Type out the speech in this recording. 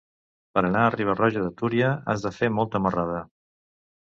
Per anar a Riba-roja de Túria has de fer molta marrada.